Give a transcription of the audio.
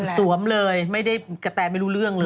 สวมเลยไม่ได้กระแตไม่รู้เรื่องเลย